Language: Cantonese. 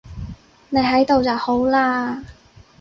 你喺度就好喇